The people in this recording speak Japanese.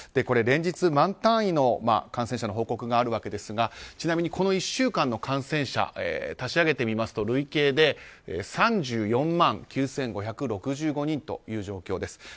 連日、万単位の感染者の報告があるわけですがちなみに、この１週間の感染者を足しあげてみますと累計で３４万９５６５人という状況です。